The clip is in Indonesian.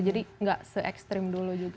jadi nggak se ekstrim dulu juga